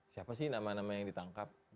siapa sih nama nama yang ditangkap